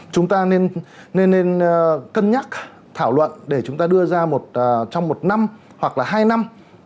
chúng ta nên nên nên cân nhắc thảo luận để chúng ta đưa ra một trong một năm hoặc là hai năm